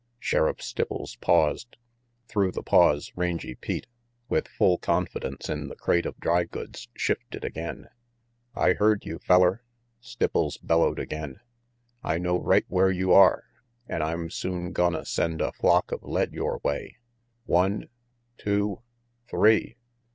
Sheriff Stipples paused. Through the pause, Rangy Pete, with full confidence in the crate of dry goods, shifted again. "I heard you, feller," Stipples bellowed again. 168 RANGY PETE "I know right where you are, an' I'm soon goi send a flock of lead your way. One Two Three!"